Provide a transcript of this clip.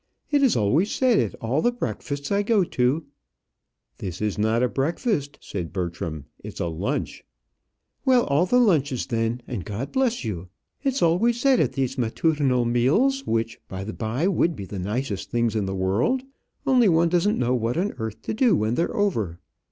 "It is always said at all the breakfasts I go to " "This is not a breakfast," said Bertram, "it's a lunch." "Well, all the lunches, then; and God bless you. It's always said at these matutinal meals which, by the by, would be the nicest things in the world, only one doesn't know what on earth to do when they're over."